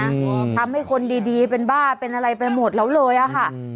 อืมทำให้คนดีดีเป็นบ้าเป็นอะไรไปหมดแล้วเลยอ่ะค่ะอืม